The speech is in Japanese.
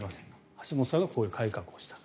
橋本さんはこういう改革をした。